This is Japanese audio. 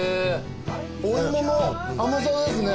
お芋の甘さですね。